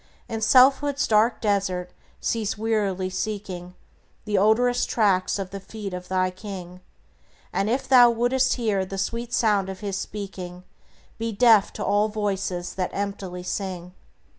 In selfhood's dark desert cease wearily seeking The odorous tracks of the feet of thy King; And if thou wouldst hear the sweet sound of His speaking, Be deaf to all voices that emptily sing.